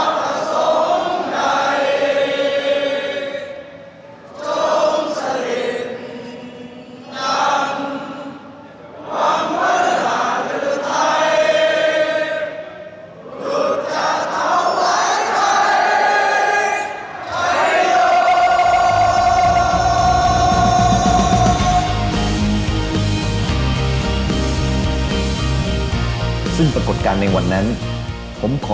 พระโยชน์ท่านเยียมยง